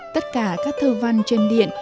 tất cả các thơ văn trên điện